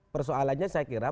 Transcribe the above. persoalannya saya kira